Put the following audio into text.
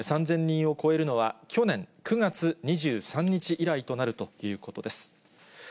３０００人を超えるのは、去年９月２３日以来となるということです。